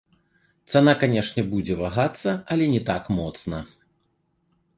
Цана, канешне, будзе вагацца, але не так моцна.